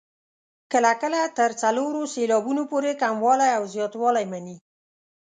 کله کله تر څلورو سېلابونو پورې کموالی او زیاتوالی مني.